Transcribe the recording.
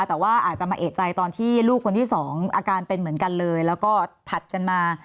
แต่ว่าอาจจะมาเอกใจตอนที่ลูกคนที่สองอาการเป็นเหมือนกันเลยแล้วก็ถัดกันมา